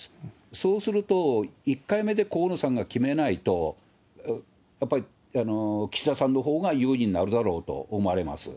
そうすると、１回目で河野さんが決めないと、やっぱり岸田さんのほうが有利になるだろうと思われます。